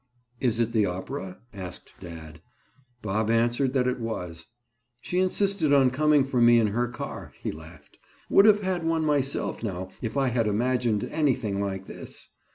"Is it the opera?" asked dad. Bob answered that it was. "She insisted on coming for me in her car," he laughed. "Would have had one myself now if I had imagined anything like this.